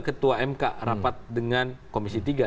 ketua mk rapat dengan komisi tiga